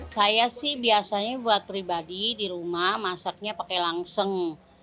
saya sih biasanya buat pribadi di rumah masaknya pakai langseng